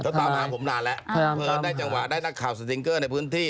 ต้องตามหาผมนานแล้วพยายามตามได้จังหวะได้นักข่าวสตริงเกอร์ในพื้นที่